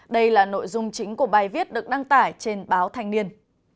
đây là nội dung chính của bài viết được đăng tải trên báo thanh niên